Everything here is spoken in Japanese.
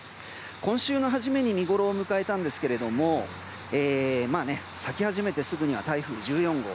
今週の初めに見ごろを迎えたんですが先始めてすぐには台風１４号。